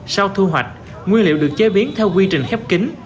sau thu hoạch nguyên liệu được chế biến theo quy trình khép kính